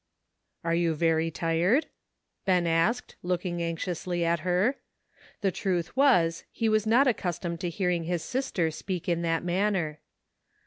' "Are you very tired?" Ben asked, looking anxiously at her. The truth was, he was not accustomed to hearing his sister speak in that manner.